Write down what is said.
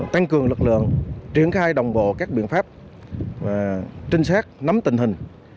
tăng cường lực lượng triển khai đồng bộ các biện pháp trinh sát nắm tình hình